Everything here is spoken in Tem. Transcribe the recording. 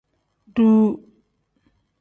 Duu.